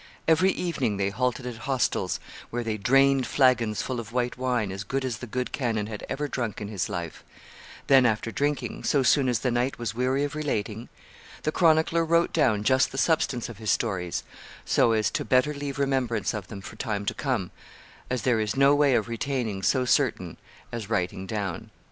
Every evening they halted at hostels where they drained flagons full of white wine as good as the good canon had ever drunk in his life; then, after drinking, so soon as the knight was weary of relating, the chronicler wrote down just the substance of his stories, so as to better leave remembrance of them for time to come, as there is no way of retaining so certain as writing down."